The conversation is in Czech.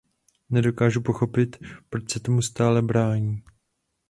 Nedokážu pochopit, proč se tomu stále brání.